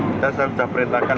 kita sudah perintahkan